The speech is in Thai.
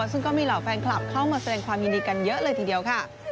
ซึ่งก็มีเหล่าแฟนคลับเข้ามาแสดงความยินดีกันเยอะเลยทีเดียวค่ะ